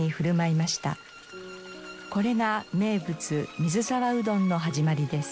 これが名物水沢うどんの始まりです。